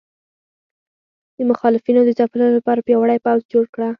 د مخالفینو د ځپلو لپاره پیاوړی پوځ جوړ کړ.